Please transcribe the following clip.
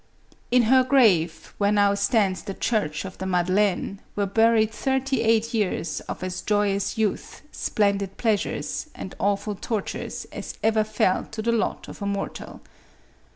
In her grave, where now stands the church of the Madeleine, were buried thirty eight years of as joyous youth, splendid pleasures, and awful tortures as ever fell to the lot of a mortal.